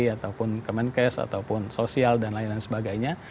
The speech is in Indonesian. ataupun kemenkes ataupun sosial dan lain lain sebagainya